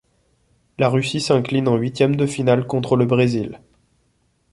La Russie s'incline en huitièmes de finale contre le Brésil.